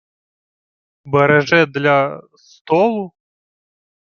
— Береже для... столу?